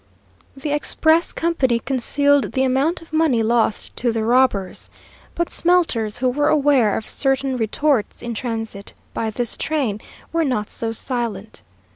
The express company concealed the amount of money lost to the robbers, but smelters, who were aware of certain retorts in transit by this train, were not so silent.